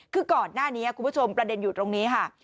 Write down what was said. คือก่อนหน้านี้คุณผู้ชมประเด็นอยู่ตรงนี้ค่ะ